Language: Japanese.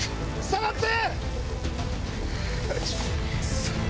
下がって！